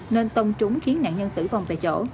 nên tông trúng khiến nạn nhân tử vong tại chỗ